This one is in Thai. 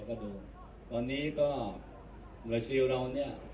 ครับก็เราก็มีหมองนะครับเราก็ดูตอนนี้ก็มลชีวเรานี่